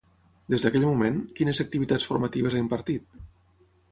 Des d'aquell moment, quines activitats formatives ha impartit?